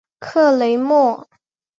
克雷莫。